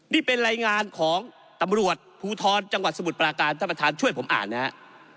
นี่เป็นรายงานของตำรวจภูทรจังหวัดสมุทรปราการท่านประธานช่วยผมอ่านนะครับ